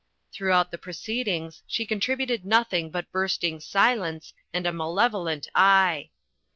Throughout the proceedings she contributed nothing but bursting silence and a malevo lent eye.